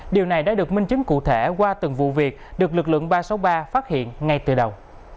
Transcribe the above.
điều này đã được minh chứng cụ thể qua từng vụ việc được lực lượng ba trăm sáu mươi ba phát hiện ngay từ đầu